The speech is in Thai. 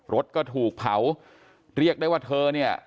รถก็ถูกเผาเรียกได้ว่าเธอเนี่ย